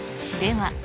では